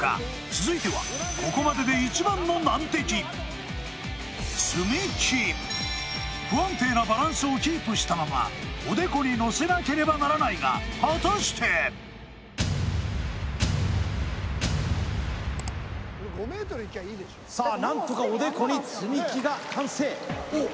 続いてはここまでで一番の難敵不安定なバランスをキープしたままおでこにのせなければならないが果たしてさあ何とかおでこに積み木が完成おっ